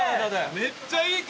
めっちゃいい体！